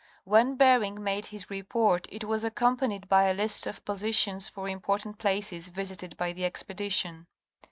When Bering made his report it was accompanied by a list of posi tions for important places visited by the Expedition.